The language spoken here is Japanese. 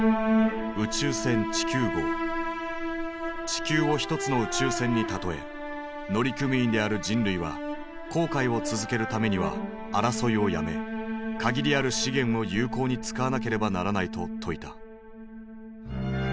地球を一つの宇宙船に例え乗組員である人類は航海を続けるためには争いをやめ限りある資源を有効に使わなければならないと説いた。